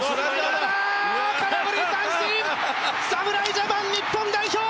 ジャパン日本代表